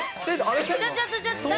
ちょっとちょっと。